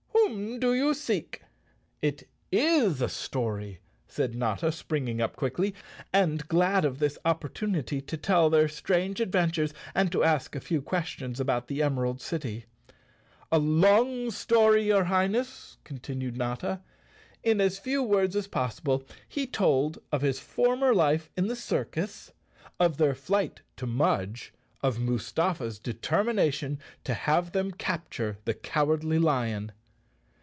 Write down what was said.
Whom do you seek? " "It is a story," said Notta, springing up quickly, and glad of this opportunity to tell their strange adven¬ tures and to ask a few questions about the Emerald _ Chapter Seven City. "A long story, your Highness," continued Notta. In as few words as possible he told of his former life in the circus, of their flight to Mudge, of Mustafa's de¬ termination to have them capture the Cowardly Lion.